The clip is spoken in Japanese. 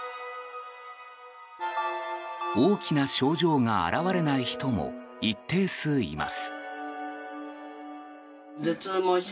大きな症状が表れない人も一定数います。